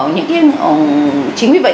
chính vì vậy